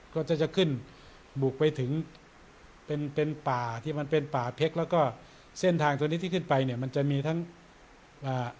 ก็จะจะขึ้นบุกไปถึงเป็นเป็นป่าที่มันเป็นป่าเพชรแล้วก็เส้นทางตัวนี้ที่ขึ้นไปเนี่ยมันจะมีทั้งอ่า